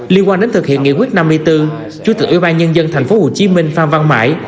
liên quan đến thực hiện nghị quyết năm mươi bốn chủ tịch ủy ban nhân dân thành phố hồ chí minh phan văn mãi